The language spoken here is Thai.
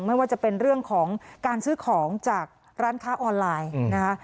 ไม่ว่าจะเป็นเรื่องของการซื้อของจากร้านค้าออนไลน์นะคะ